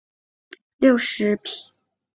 赐郑璩素六十匹。